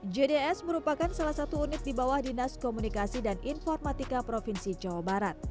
jds merupakan salah satu unit di bawah dinas komunikasi dan informatika provinsi jawa barat